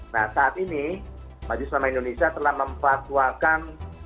nah saat ini majlis selama indonesia telah memfatwakan